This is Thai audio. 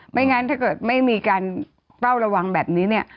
ไม่งั้นถ้าเกิดไม่มีการเฝ้าระวังแบบนี้เนี่ย